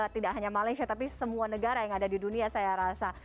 tidak hanya malaysia tapi semua negara yang ada di dunia saya rasa